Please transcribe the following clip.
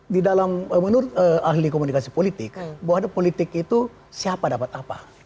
di dalam menurut ahli komunikasi politik bahwa ada politik itu siapa dapat apa